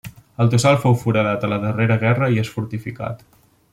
El tossal fou foradat a la darrera guerra i és fortificat.